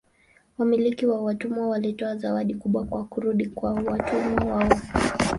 Wamiliki wa watumwa walitoa zawadi kubwa kwa kurudi kwa watumwa wao.